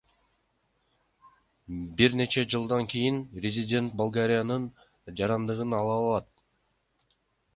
Бир нече жылдан кийин резидент Болгариянын жарандыгын ала алат.